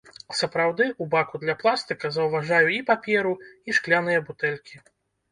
Сапраўды, у баку для пластыка заўважаю і паперу, і шкляныя бутэлькі.